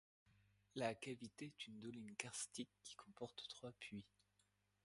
La cavité est une doline karstique qui comporte trois puits.